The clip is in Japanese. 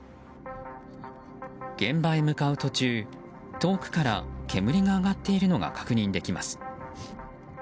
現場へ向かう途中、遠くから煙が上がっているのが確認できます。